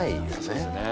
そうですね